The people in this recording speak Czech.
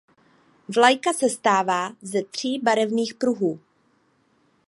Vlajka sestává ze tří barevných pruhů.